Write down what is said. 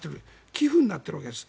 寄付になっているわけです。